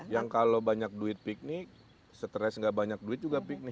yang kalau banyak duit piknik stres gak banyak duit juga piknik